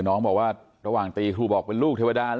น้องบอกว่าระหว่างตีครูบอกเป็นลูกเทวดา